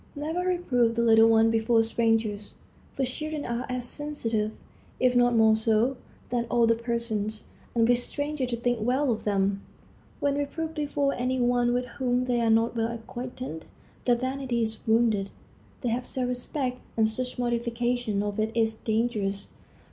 Never reprove the little ones before strangers; for children are as sensitive, if not more so, than older persons, and wish strangers to think well of them. When reproved before any one with whom they are not well acquainted, their vanity is wounded. They have self respect, and such mortification of it is dangerous.